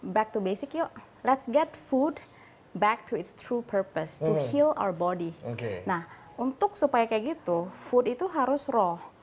nah untuk supaya seperti itu makanan itu harus raw